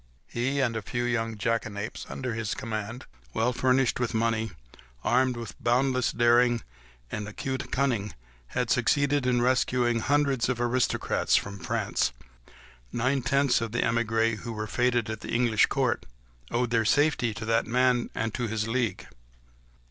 He and the few young jackanapes under his command, well furnished with money, armed with boundless daring, and acute cunning, had succeeded in rescuing hundreds of aristocrats from France. Nine tenths of the émigrés, who were fêted at the English court, owed their safety to that man and to his league.